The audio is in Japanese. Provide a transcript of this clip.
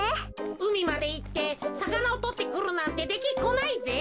うみまでいってさかなをとってくるなんてできっこないぜ。